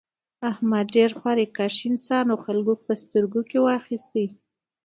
احمد ډېر خواریکښ انسان و خلکو په سترگو کړلا.